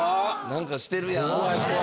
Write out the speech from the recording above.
何かしてるやん。